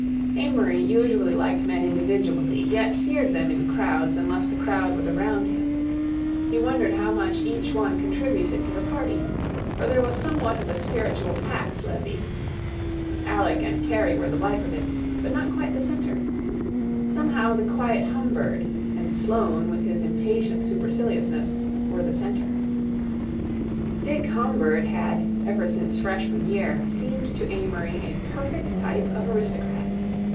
Amory usually liked men individually, yet feared them in crowds unless the crowd was around him. He wondered how much each one contributed to the party, for there was somewhat of a spiritual tax levied. Alec and Kerry were the life of it, but not quite the centre. Somehow the quiet Humbird, and Sloane, with his impatient superciliousness, were the centre. Dick Humbird had, ever since freshman year, seemed to Amory a perfect type of aristocrat.